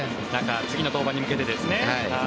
次の登板に向けてですね。